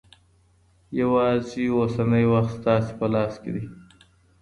یوازې اوسنی وخت ستاسې په لاس کې دی.